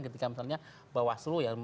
ketika misalnya bawaslu yang